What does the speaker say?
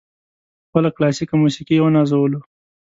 په خپله کلاسیکه موسیقي یې ونازولو.